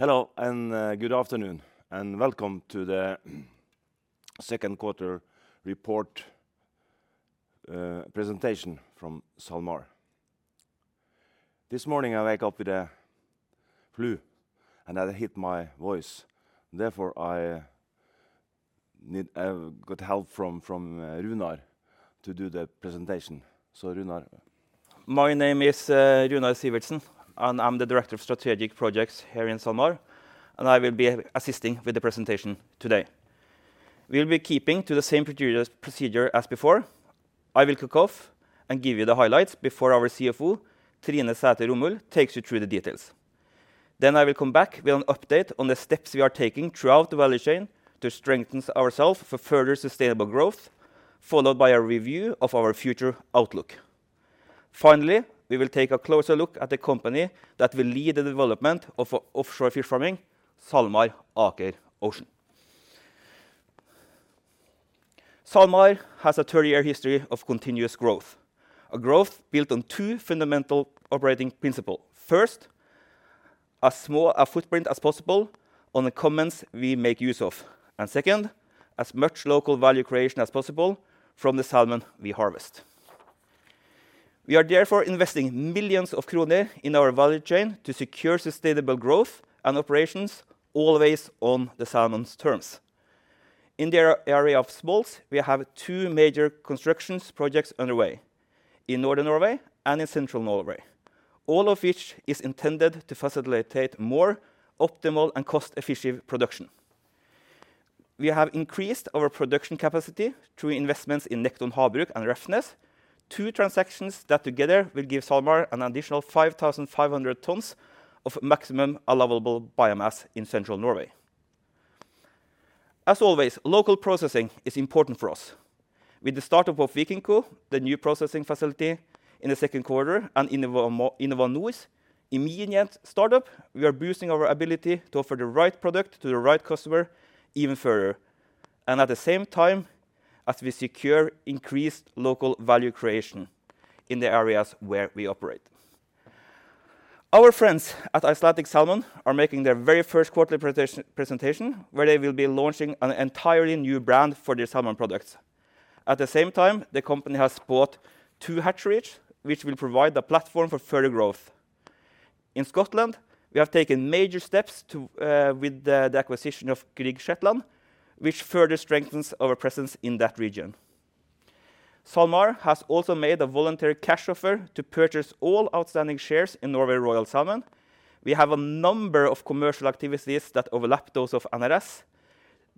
Hello, good afternoon, and welcome to the second quarter report presentation from SalMar. This morning I wake up with a flu and that hit my voice. Therefore, I got help from Runar to do the presentation. Runar. My name is Runar Sivertsen, and I'm the director of strategic projects here in SalMar, and I will be assisting with the presentation today. We'll be keeping to the same procedure as before. I will kick off and give you the highlights before our CFO, Trine Sæther Romuld, takes you through the details. I will come back with an update on the steps we are taking throughout the value chain to strengthen ourselves for further sustainable growth, followed by a review of our future outlook. Finally, we will take a closer look at the company that will lead the development of offshore fish farming, SalMar Aker Ocean. SalMar has a 30-year history of continuous growth, a growth built on two fundamental operating principle. First, as small a footprint as possible on the commons we make use of, and second, as much local value creation as possible from the salmon we harvest. We are therefore investing millions of kroner in our value chain to secure sustainable growth and operations always on the salmon's terms. In the area of smolts, we have two major constructions projects underway, in Northern Norway and in Central Norway, all of which is intended to facilitate more optimal and cost-efficient production. We have increased our production capacity through investments in Nekton Havbruk and Refsnes, two transactions that together will give SalMar an additional 5,500 tons of maximum allowable biomass in Central Norway. As always, local processing is important for us. With the start-up of Vikenco, the new processing facility in the second quarter, and InnovaNor's immediate start-up, we are boosting our ability to offer the right product to the right customer even further, and at the same time as we secure increased local value creation in the areas where we operate. Our friends at Icelandic Salmon are making their very first quarterly presentation where they will be launching an entirely new brand for their salmon products. At the same time, the company has bought two hatcheries, which will provide the platform for further growth. In Scotland, we have taken major steps with the acquisition of Grieg Seafood Shetland, which further strengthens our presence in that region. SalMar has also made a voluntary cash offer to purchase all outstanding shares in Norway Royal Salmon. We have a number of commercial activities that overlap those of NRS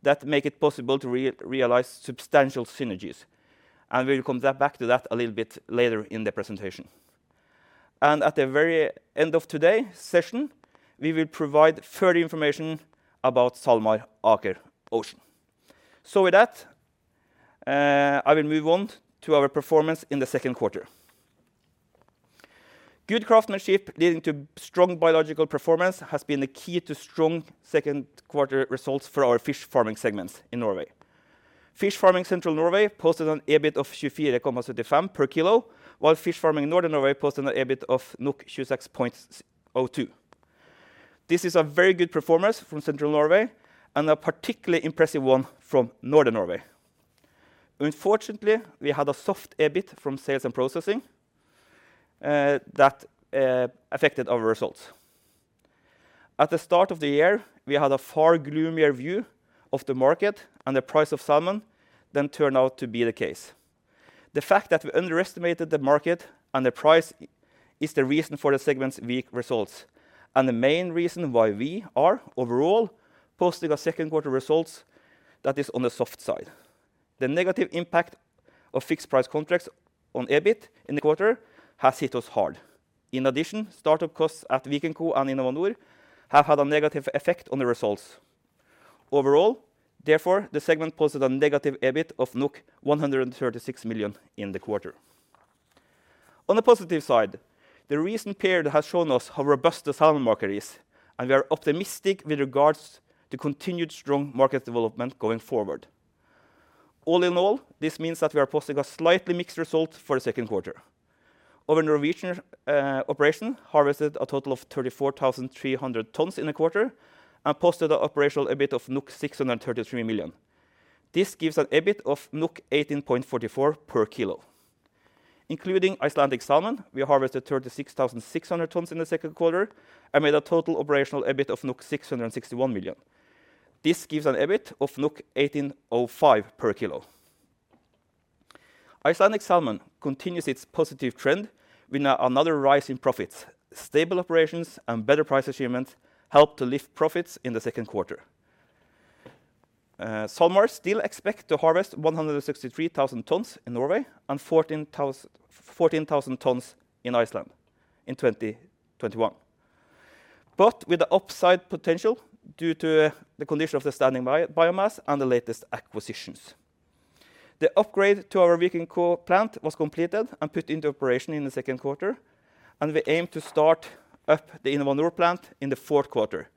that make it possible to realize substantial synergies, and we will come back to that a little bit later in the presentation. At the very end of today's session, we will provide further information about SalMar Aker Ocean. With that, I will move on to our performance in the second quarter. Good craftsmanship leading to strong biological performance has been the key to strong second quarter results for our fish farming segments in Norway. Farming Central Norway posted an EBIT of 24.75 per kilo, while Farming Northern Norway posted an EBIT of 26.02. This is a very good performance from Central Norway and a particularly impressive one from Northern Norway. Unfortunately, we had a soft EBIT from sales and processing that affected our results. At the start of the year, we had a far gloomier view of the market and the price of salmon than turned out to be the case. The fact that we underestimated the market and the price is the reason for the segment's weak results and the main reason why we are overall posting a second quarter result that is on the soft side. The negative impact of fixed price contracts on EBIT in the quarter has hit us hard. In addition, start-up costs at Vikenco and InnovaNor have had a negative effect on the results. Overall, therefore, the segment posted a negative EBIT of 136 million in the quarter. On the positive side, the recent period has shown us how robust the salmon market is, and we are optimistic with regards to continued strong market development going forward. All in all, this means that we are posting a slightly mixed result for the second quarter. Our Norwegian operation harvested a total of 34,300 tons in the quarter and posted an operational EBIT of 633 million. This gives an EBIT of 18.44 per kilo. Including Icelandic Salmon, we harvested 36,600 tons in the second quarter and made a total operational EBIT of 661 million. This gives an EBIT of 18.05 per kilo. Icelandic Salmon continues its positive trend with another rise in profits. Stable operations and better price achievement helped to lift profits in the second quarter. SalMar still expect to harvest 163,000 tons in Norway and 14,000 tons in Iceland in 2021. With the upside potential due to the condition of the standing biomass and the latest acquisitions. The upgrade to our Vikenco plant was completed and put into operation in the second quarter, and we aim to start up the InnovaNor plant in the fourth quarter.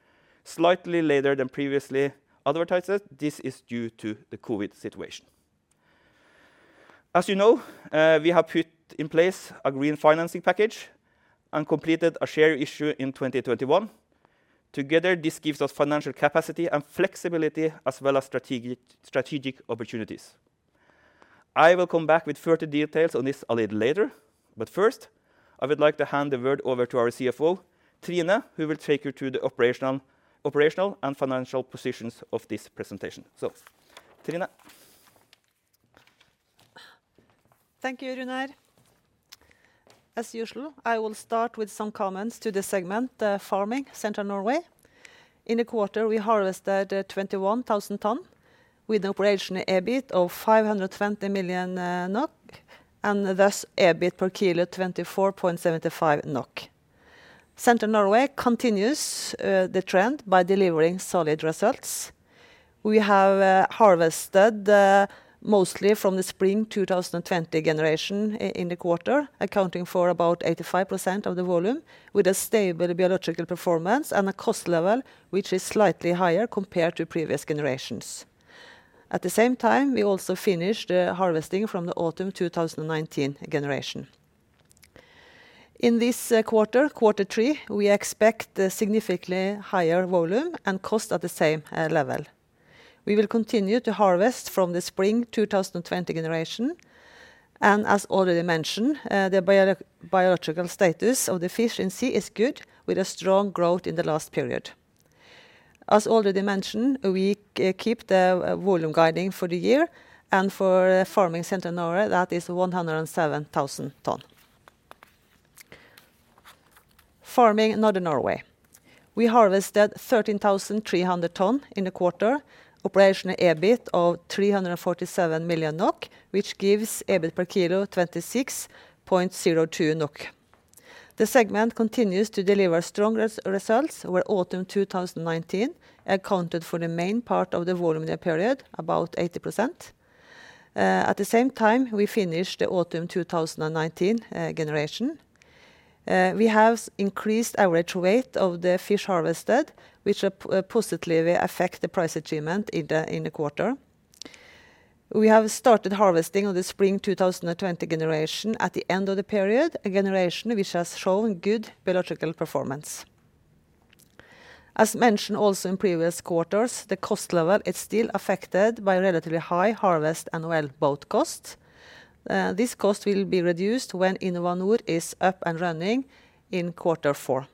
Slightly later than previously advertised. This is due to the COVID situation. As you know, we have put in place a green financing package and completed a share issue in 2021. Together, this gives us financial capacity and flexibility as well as strategic opportunities. I will come back with further details on this a little later, but first, I would like to hand the word over to our CFO, Trine, who will take you to the operational and financial portions of this presentation. Trine. Thank you, Runar. As usual, I will start with some comments to the segment, the Farming Central Norway. In the quarter, we harvested 21,000 tons with an operational EBIT of 520 million NOK and thus EBIT per kilo 24.75 NOK. Central Norway continues the trend by delivering solid results. We have harvested mostly from the spring 2020 generation in the quarter, accounting for about 85% of the volume with a stable biological performance and a cost level which is slightly higher compared to previous generations. At the same time, we also finished harvesting from the autumn 2019 generation. In this quarter 3, we expect significantly higher volume and cost at the same level. We will continue to harvest from the spring 2020 generation. As already mentioned, the biological status of the fish in sea is good with a strong growth in the last period. As already mentioned, we keep the volume guiding for the year, and for Farming Central Norway, that is 107,000 ton. Farming Northern Norway. We harvested 13,300 ton in the quarter, operational EBIT of 347 million NOK which gives EBIT per kilo 26.02 NOK. The segment continues to deliver strong results, where autumn 2019 accounted for the main part of the volume in the period, about 80%. At the same time, we finished the autumn 2019 generation. We have increased average weight of the fish harvested, which positively affect the price achievement in the quarter. We have started harvesting of the spring 2020 generation at the end of the period, a generation which has shown good biological performance. As mentioned also in previous quarters, the cost level is still affected by relatively high harvest and well boat costs. These costs will be reduced when InnovaNor is up and running in quarter four.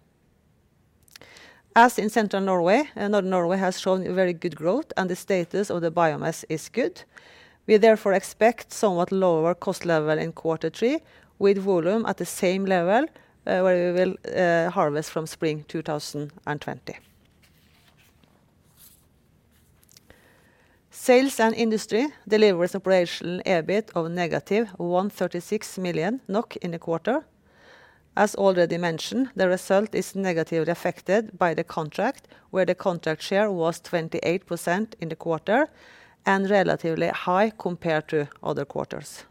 As in Central Norway, Northern Norway has shown very good growth, and the status of the biomass is good. We therefore expect somewhat lower cost level in quarter three with volume at the same level, where we will harvest from spring 2020. Sales and industry delivers operational EBIT of negative 136 million NOK in the quarter. As already mentioned, the result is negatively affected by the contract, where the contract share was 28% in the quarter and relatively high compared to other quarters.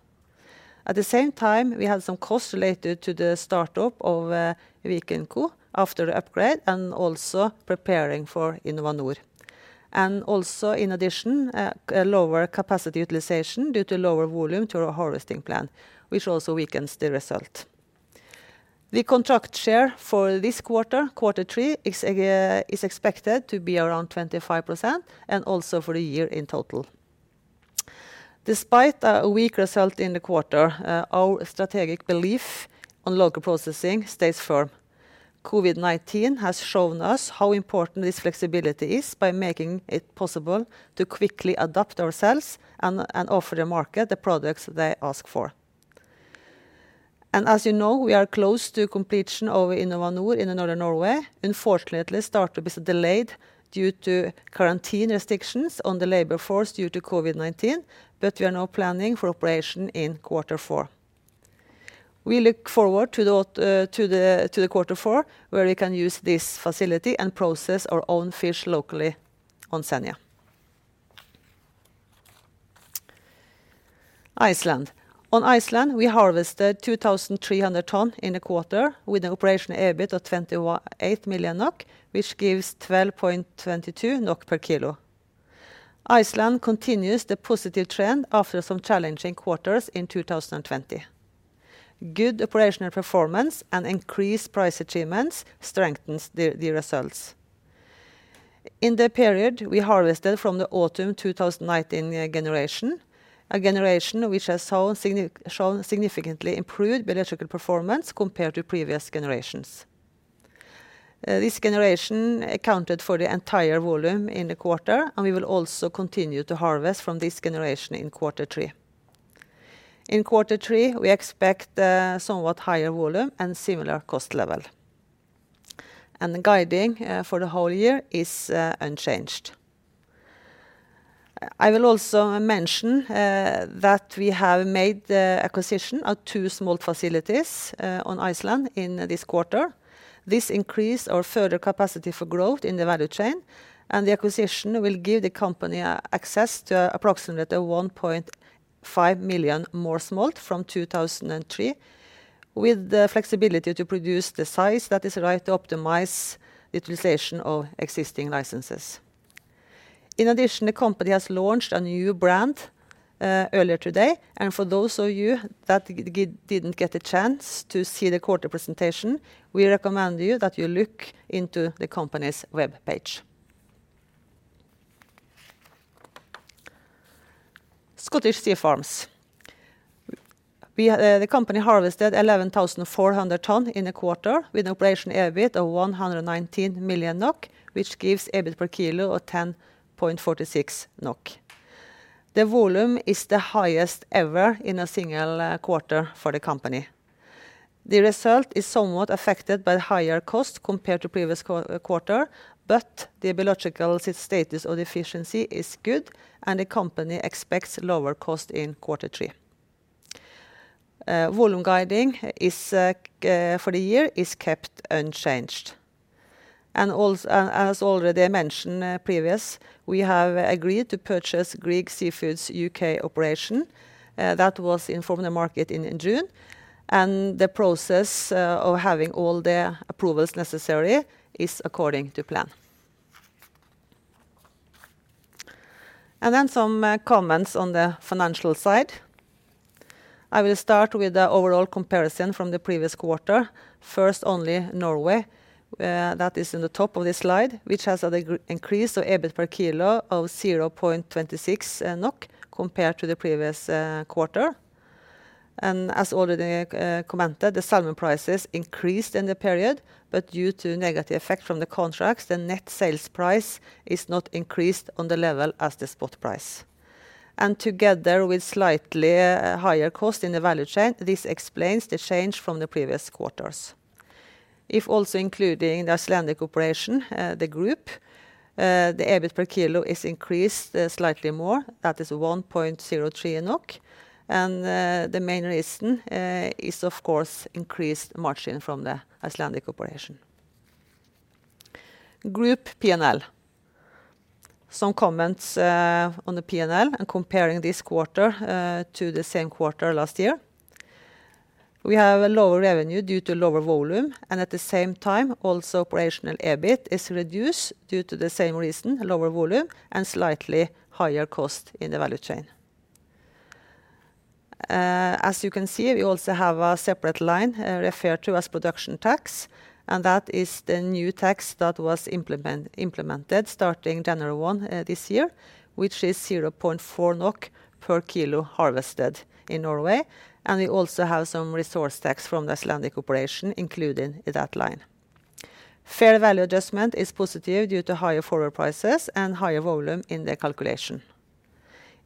At the same time, we had some costs related to the startup of Vikenco after upgrade and also preparing for InnovaNor. In addition, lower capacity utilization due to lower volume to our harvesting plan, which also weakens the result. The contract share for this quarter, Q3, is expected to be around 25% and also for the year in total. Despite a weak result in the quarter, our strategic belief on local processing stays firm. COVID-19 has shown us how important this flexibility is by making it possible to quickly adapt ourselves and offer the market the products they ask for. As you know, we are close to completion of InnovaNor in Northern Norway. Unfortunately, start will be delayed due to quarantine restrictions on the labor force due to COVID-19. We are now planning for operation in Q4. We look forward to the Q4, where we can use this facility and process our own fish locally on Senja. Iceland. On Iceland, we harvested 2,300 tons in the quarter with an operational EBIT of 28 million NOK, which gives 12.22 NOK per kilo. Iceland continues the positive trend after some challenging quarters in 2020. Good operational performance and increased price achievements strengthens the results. In the period, we harvested from the autumn 2019 generation, a generation which has shown significantly improved biological performance compared to previous generations. This generation accounted for the entire volume in the quarter, and we will also continue to harvest from this generation in quarter three. In quarter three, we expect somewhat higher volume and similar cost level. The guiding for the whole year is unchanged. I will also mention that we have made the acquisition of two small facilities on Iceland in this quarter. This increased our further capacity for growth in the value chain. The acquisition will give the company access to approximately 1.5 million more smolt from 2003, with the flexibility to produce the size that is right to optimize the utilization of existing licenses. In addition, the company has launched a new brand earlier today, and for those of you that didn't get a chance to see the quarter presentation, we recommend you that you look into the company's webpage. Scottish Sea Farms. The company harvested 11,400 tons in the quarter with an operational EBIT of 119 million NOK, which gives EBIT per kilo of 10.46 NOK. The volume is the highest ever in a single quarter for the company. The result is somewhat affected by higher cost compared to previous quarter, but the biological status of the efficiency is good and the company expects lower cost in quarter three. Volume guiding for the year is kept unchanged. As already mentioned previous, we have agreed to purchase Grieg Seafood's UK operation. That was informed the market in June, and the process of having all the approvals necessary is according to plan. Some comments on the financial side. I will start with the overall comparison from the previous quarter. First, only Norway, that is in the top of this slide, which has an increase of EBIT per kilo of 0.26 NOK compared to the previous quarter. As already commented, the salmon prices increased in the period, but due to negative effect from the contracts, the net sales price is not increased on the level as the spot price. Together with slightly higher cost in the value chain, this explains the change from the previous quarters. If also including the Icelandic operation, the group, the EBIT per kilo is increased slightly more. That is 1.03. The main reason is of course increased margin from the Icelandic operation. Group P&L. Some comments on the P&L and comparing this quarter to the same quarter last year. We have a lower revenue due to lower volume. At the same time, also operational EBIT is reduced due to the same reason, lower volume and slightly higher cost in the value chain. As you can see, we also have a separate line referred to as production tax. That is the new tax that was implemented starting January 1 this year, which is 0.4 NOK per kilo harvested in Norway. We also have some resource tax from the Icelandic operation included in that line. Fair value adjustment is positive due to higher forward prices and higher volume in the calculation.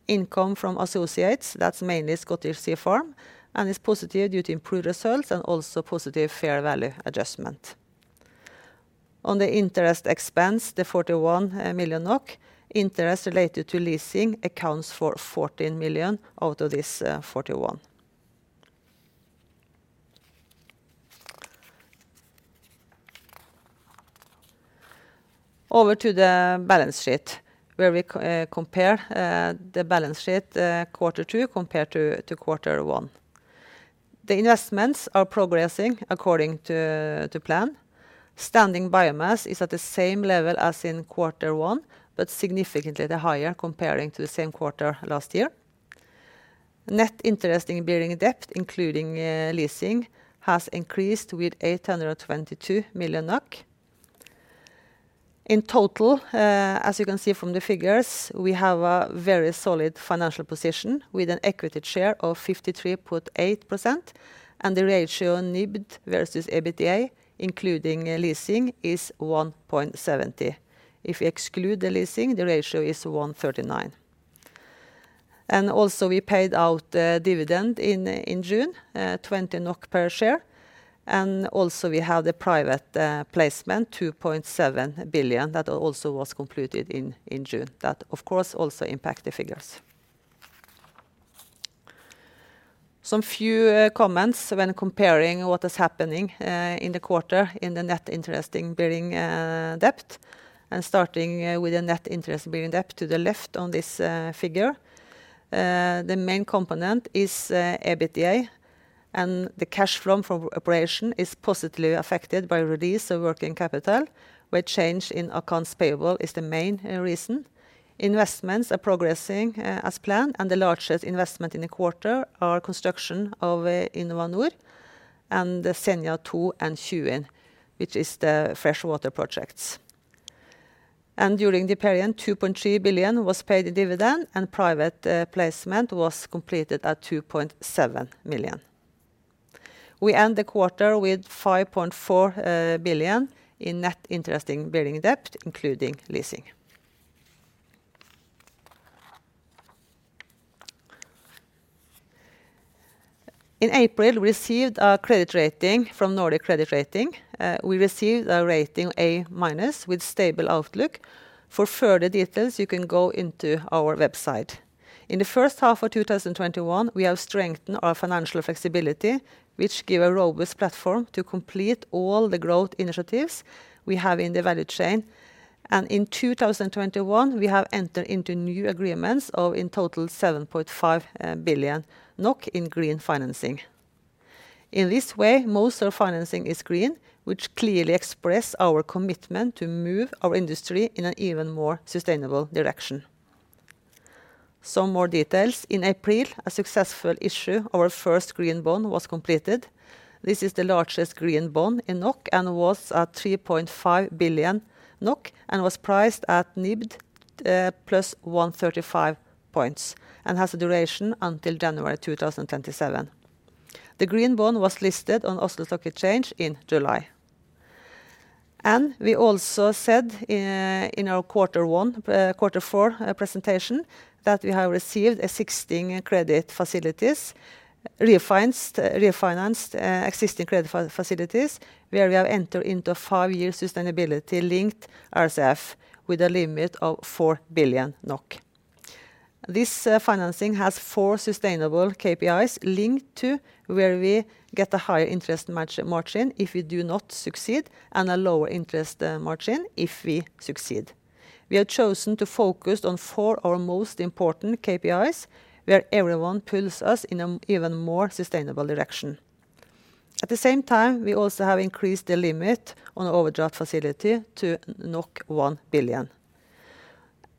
Income from associates, that's mainly Scottish Sea Farms and is positive due to improved results and also positive fair value adjustment. On the interest expense, the 41 million NOK, interest related to leasing accounts for 14 million out of this 41. Over to the balance sheet, where we compare the balance sheet quarter two compared to quarter one. The investments are progressing according to plan. Standing biomass is at the same level as in quarter one, but significantly higher comparing to the same quarter last year. Net interest-bearing debt, including leasing, has increased with 822 million NOK. As you can see from the figures, we have a very solid financial position with an equity share of 53.8%, and the ratio net versus EBITDA, including leasing, is 1.70. If we exclude the leasing, the ratio is 1.39. We paid out dividend in June, 20 NOK per share. We have the private placement 2.7 billion that also was completed in June. That of course also impact the figures. Some few comments when comparing what is happening in the quarter in the net interest-bearing debt, starting with the net interest-bearing debt to the left on this figure. The main component is EBITDA and the cash from operation is positively affected by release of working capital, where change in accounts payable is the main reason. Investments are progressing as planned and the largest investment in the quarter are construction of InnovaNor and the Senja 2 and Tjuin, which is the freshwater projects. During the period, 2.3 billion was paid in dividend and private placement was completed at 2.7 million. We end the quarter with 5.4 billion in net interest-bearing debt, including leasing. In April, we received our credit rating from Nordic Credit Rating. We received a rating A- with stable outlook. For further details, you can go into our website. In the first half of 2021, we have strengthened our financial flexibility, which give a robust platform to complete all the growth initiatives we have in the value chain. In 2021, we have entered into new agreements of, in total, 7.5 billion NOK in green financing. In this way, most of our financing is green, which clearly express our commitment to move our industry in an even more sustainable direction. Some more details. In April, a successful issue, our first green bond was completed. This is the largest green bond in NOK and was at 3.5 billion NOK, and was priced at NIBOR +135 points, and has a duration until January 2027. The green bond was listed on Oslo Stock Exchange in July. We also said in our quarter four presentation that we have received existing credit facilities, refinanced existing credit facilities, where we have entered into five-year sustainability-linked RCF with a limit of 4 billion NOK. This financing has four sustainable KPIs linked to where we get a higher interest margin if we do not succeed, and a lower interest margin if we succeed. We have chosen to focus on 4 of our most important KPIs, where everyone pulls us in an even more sustainable direction. At the same time, we also have increased the limit on overdraft facility to 1 billion.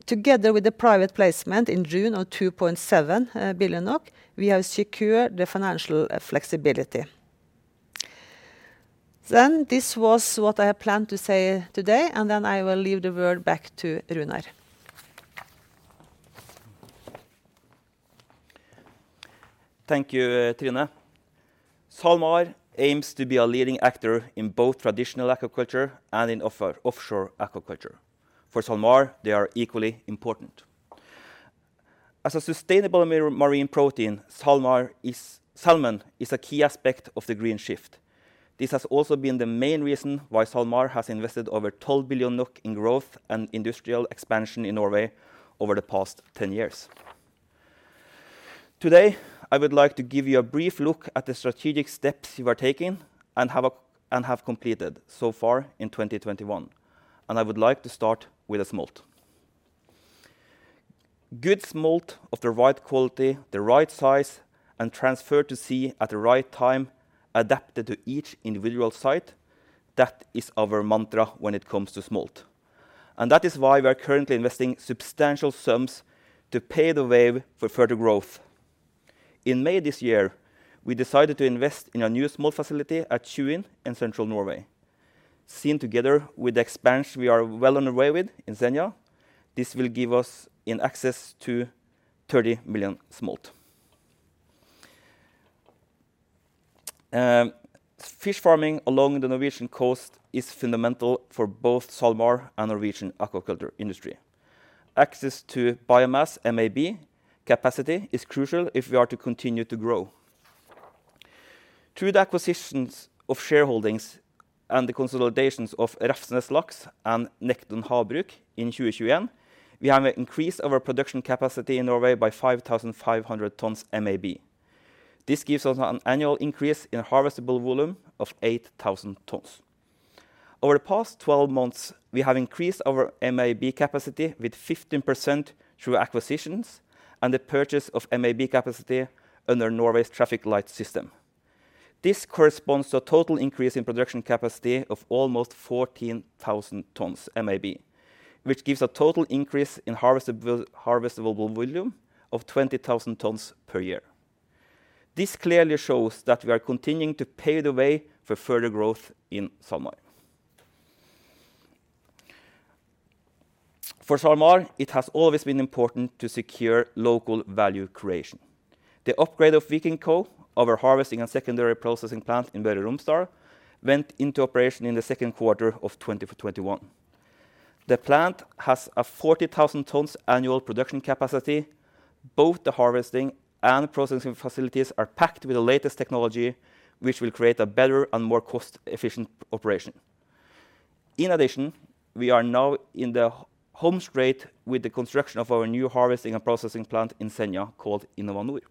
Together with the private placement in June of 2.7 billion NOK, we have secured the financial flexibility. This was what I had planned to say today, and then I will leave the word back to Runar. Thank you, Trine. SalMar aims to be a leading actor in both traditional aquaculture and in offshore aquaculture. For SalMar, they are equally important. As a sustainable marine protein, salmon is a key aspect of the green shift. This has also been the main reason why SalMar has invested over 12 billion NOK in growth and industrial expansion in Norway over the past 10 years. Today, I would like to give you a brief look at the strategic steps we are taking and have completed so far in 2021. I would like to start with the smolt. Good smolt of the right quality, the right size, and transferred to sea at the right time, adapted to each individual site. That is our mantra when it comes to smolt. That is why we are currently investing substantial sums to pave the way for further growth. In May this year, we decided to invest in a new smolt facility at Tjuin in Central Norway. Seen together with the expansion we are well underway with in Senja, this will give us an access to 30 million smolt. Fish farming along the Norwegian coast is fundamental for both SalMar and Norwegian aquaculture industry. Access to biomass, MAB capacity, is crucial if we are to continue to grow. Through the acquisitions of shareholdings and the consolidations of Refsnes Laks and Nekton Havbruk in 2021, we have increased our production capacity in Norway by 5,500 tons MAB. This gives us an annual increase in harvestable volume of 8,000 tons. Over the past 12 months, we have increased our MAB capacity with 15% through acquisitions and the purchase of MAB capacity under Norway's traffic light system. This corresponds to a total increase in production capacity of almost 14,000 tons MAB, which gives a total increase in harvestable volume of 20,000 tons per year. This clearly shows that we are continuing to pave the way for further growth in SalMar. For SalMar, it has always been important to secure local value creation. The upgrade of Vikenco, of our harvesting and secondary processing plant in Børrumstar, went into operation in the second quarter of 2021. The plant has a 40,000 tons annual production capacity. Both the harvesting and processing facilities are packed with the latest technology, which will create a better and more cost-efficient operation. We are now in the home straight with the construction of our new harvesting and processing plant in Senja called InnovaNor.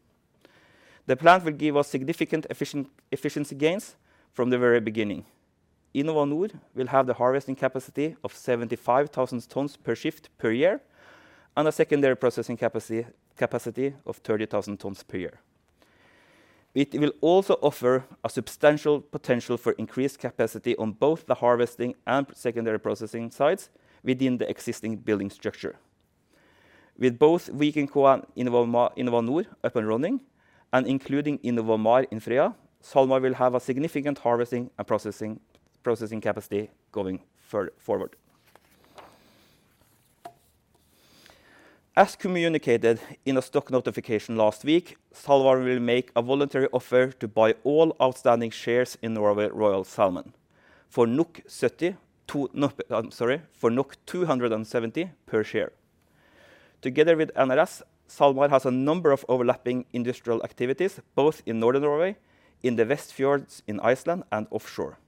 The plant will give us significant efficiency gains from the very beginning. InnovaNor will have the harvesting capacity of 75,000 tons per shift per year and a secondary processing capacity of 30,000 tons per year. It will also offer a substantial potential for increased capacity on both the harvesting and secondary processing sites within the existing building structure. With both Vikenco and InnovaNor up and running, and including InnovaMar in Frøya, SalMar will have a significant harvesting and processing capacity going forward. As communicated in a stock notification last week, SalMar will make a voluntary offer to buy all outstanding shares in Norway Royal Salmon for 270 per share. Together with NRS, SalMar has a number of overlapping industrial activities, both in Northern Norway, in the West Fjords in Iceland, and offshore.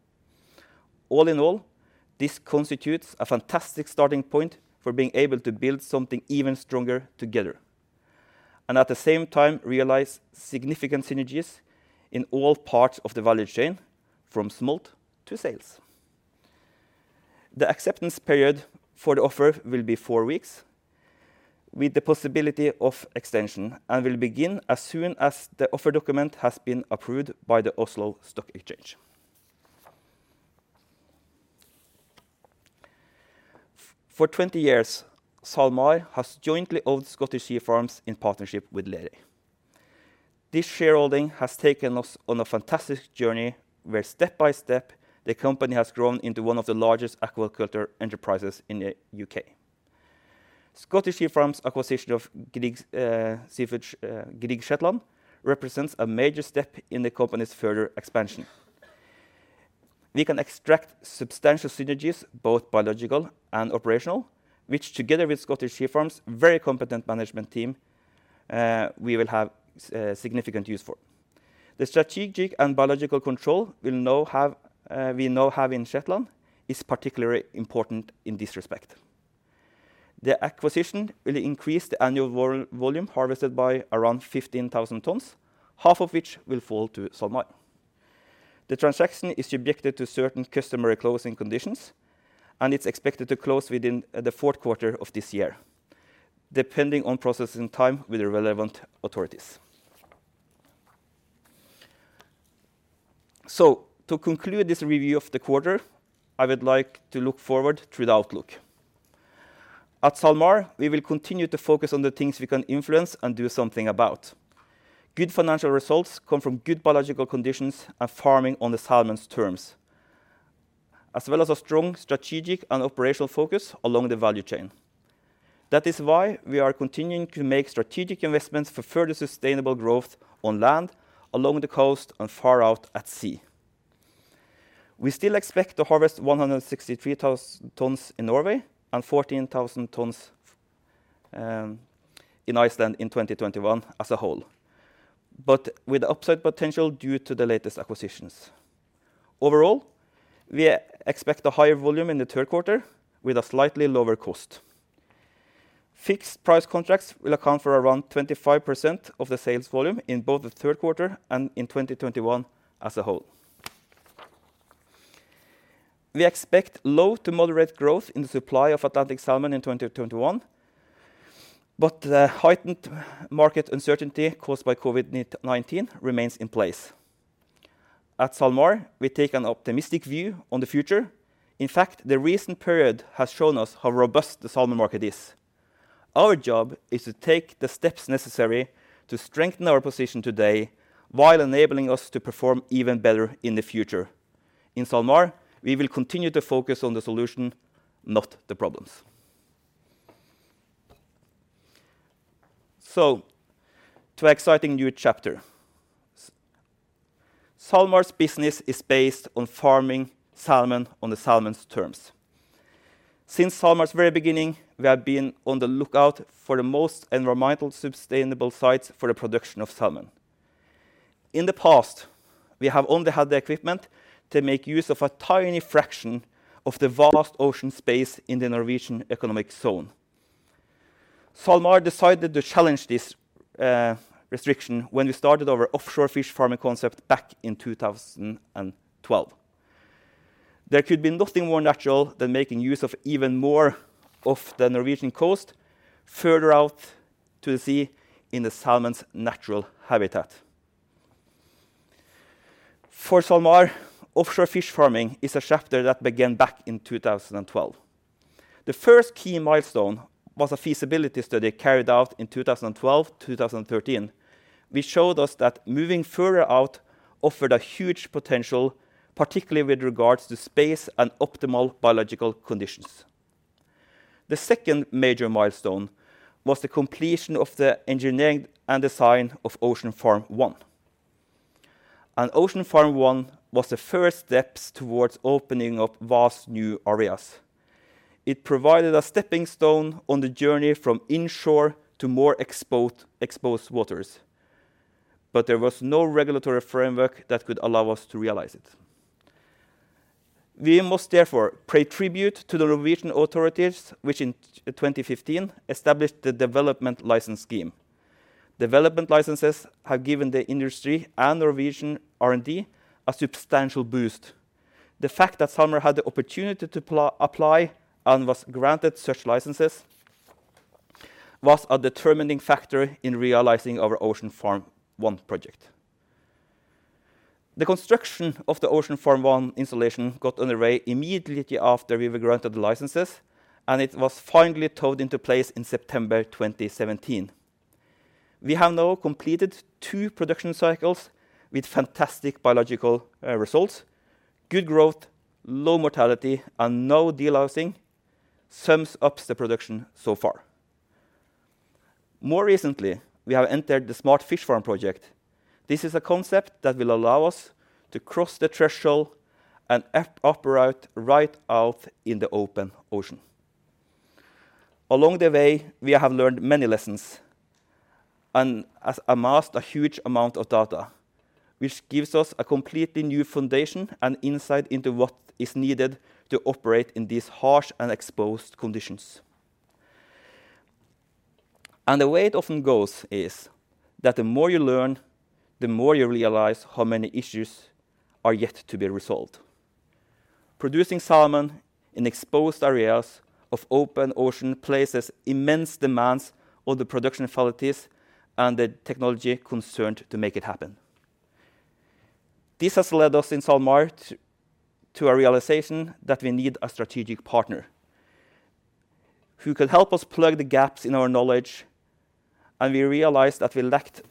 All in all, this constitutes a fantastic starting point for being able to build something even stronger together, and at the same time realize significant synergies in all parts of the value chain, from smolt to sales. The acceptance period for the offer will be four weeks, with the possibility of extension, and will begin as soon as the offer document has been approved by the Oslo Stock Exchange. For 20 years, SalMar has jointly owned Scottish Sea Farms in partnership with Lerøy. This shareholding has taken us on a fantastic journey where step by step the company has grown into one of the largest aquaculture enterprises in the U.K. Scottish Sea Farms acquisition of Grieg Seafood Shetland represents a major step in the company's further expansion. We can extract substantial synergies, both biological and operational, which together with Scottish Sea Farms' very competent management team, we will have significant use for. The strategic and biological control we now have in Shetland is particularly important in this respect. The acquisition will increase the annual volume harvested by around 15,000 tons, half of which will fall to SalMar. It's expected to close within the fourth quarter of this year, depending on processing time with the relevant authorities. To conclude this review of the quarter, I would like to look forward to the outlook. At SalMar, we will continue to focus on the things we can influence and do something about. Good financial results come from good biological conditions and farming on the salmon's terms, as well as a strong strategic and operational focus along the value chain. That is why we are continuing to make strategic investments for further sustainable growth on land, along the coast, and far out at sea. We still expect to harvest 163,000 tons in Norway and 14,000 tons in Iceland in 2021 as a whole, with upside potential due to the latest acquisitions. Overall, we expect a higher volume in the third quarter with a slightly lower cost. Fixed price contracts will account for around 25% of the sales volume in both the third quarter and in 2021 as a whole. We expect low to moderate growth in the supply of Atlantic salmon in 2021, the heightened market uncertainty caused by COVID-19 remains in place. At SalMar, we take an optimistic view on the future. In fact, the recent period has shown us how robust the salmon market is. Our job is to take the steps necessary to strengthen our position today while enabling us to perform even better in the future. In SalMar, we will continue to focus on the solution, not the problems. To exciting new chapter. SalMar's business is based on farming salmon on the salmon's terms. Since SalMar's very beginning, we have been on the lookout for the most environmentally sustainable sites for the production of salmon. In the past, we have only had the equipment to make use of a tiny fraction of the vast ocean space in the Norwegian economic zone. SalMar decided to challenge this restriction when we started our offshore fish farming concept back in 2012. There could be nothing more natural than making use of even more of the Norwegian coast further out to the sea in the salmon's natural habitat. For SalMar, offshore fish farming is a chapter that began back in 2012. The first key milestone was a feasibility study carried out in 2012, 2013, which showed us that moving further out offered a huge potential, particularly with regards to space and optimal biological conditions. The second major milestone was the completion of the engineering and design of Ocean Farm 1. Ocean Farm 1 was the first steps towards opening up vast new areas. It provided a stepping stone on the journey from inshore to more exposed waters, there was no regulatory framework that could allow us to realize it. We must therefore pay tribute to the Norwegian authorities, which in 2015 established the Development License scheme. Development licenses have given the industry and Norwegian R&D a substantial boost. The fact that SalMar had the opportunity to apply and was granted such licenses was a determining factor in realizing our Ocean Farm 1 project. The construction of the Ocean Farm 1 installation got underway immediately after we were granted the licenses, and it was finally towed into place in September 2017. We have now completed two production cycles with fantastic biological results, good growth, low mortality, and no delousing sums up the production so far. More recently, we have entered the Smart Fish Farm project. This is a concept that will allow us to cross the threshold and operate right out in the open ocean. Along the way, we have learned many lessons and have amassed a huge amount of data, which gives us a completely new foundation and insight into what is needed to operate in these harsh and exposed conditions. The way it often goes is that the more you learn, the more you realize how many issues are yet to be resolved. Producing salmon in exposed areas of open ocean places immense demands on the production facilities and the technology concerned to make it happen. This has led us in SalMar to a realization that we need a strategic partner who can help us plug the gaps in our knowledge, and we realized that we lacked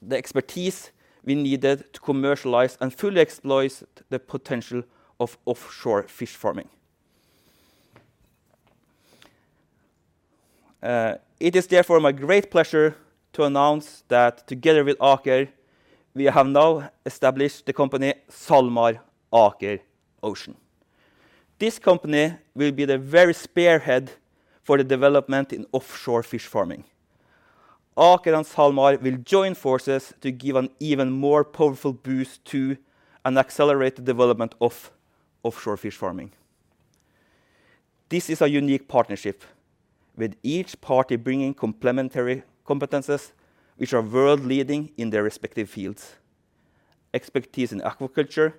the expertise we needed to commercialize and fully exploit the potential of offshore fish farming. It is therefore my great pleasure to announce that together with Aker, we have now established the company SalMar Aker Ocean. This company will be the very spearhead for the development in offshore fish farming. Aker and SalMar will join forces to give an even more powerful boost to and accelerate the development of offshore fish farming. This is a unique partnership, with each party bringing complementary competencies, which are world leading in their respective fields. Expertise in aquaculture,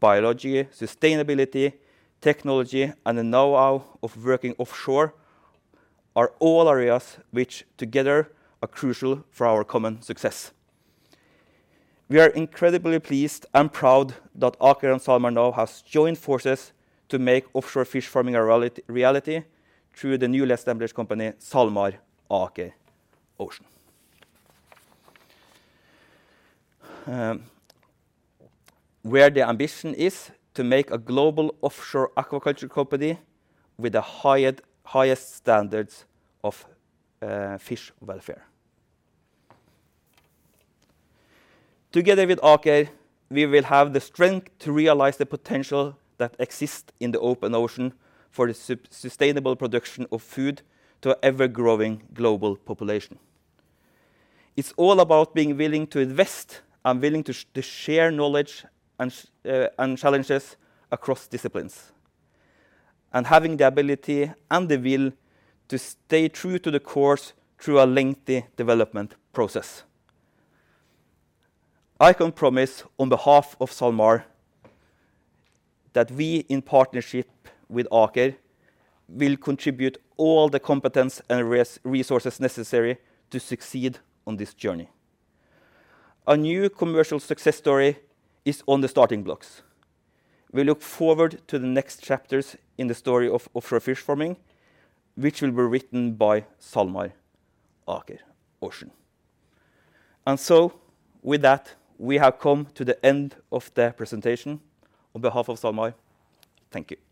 biology, sustainability, technology, and the know-how of working offshore are all areas which, together, are crucial for our common success. We are incredibly pleased and proud that Aker and SalMar now have joined forces to make offshore fish farming a reality through the newly established company, SalMar Aker Ocean. Where the ambition is to make a global offshore aquaculture company with the highest standards of fish welfare. Together with Aker, we will have the strength to realize the potential that exists in the open ocean for the sustainable production of food to an ever-growing global population. It's all about being willing to invest and willing to share kno wledge and challenges across disciplines, and having the ability and the will to stay true to the course through a lengthy development process. I can promise on behalf of SalMar that we, in partnership with Aker, will contribute all the competence and resources necessary to succeed on this journey. A new commercial success story is on the starting blocks. We look forward to the next chapters in the story of offshore fish farming, which will be written by SalMar Aker Ocean. With that, we have come to the end of the presentation. On behalf of SalMar, thank you.